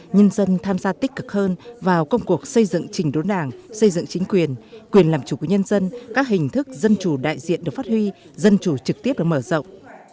nhân dân tham gia tích cực hơn vào công cuộc xây dựng trình đốn đảng xây dựng chính quyền quyền làm chủ của nhân dân các hình thức dân chủ đại diện được phát huy dân chủ trực tiếp được mở rộng